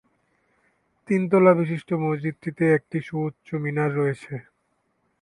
তিন তলা বিশিষ্ট মসজিদটিতে একটি সুউচ্চ মিনার রয়েছে।